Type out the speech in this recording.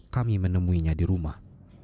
kami menemuinya di rumah